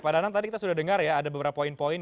pak danang tadi kita sudah dengar ya ada beberapa poin poin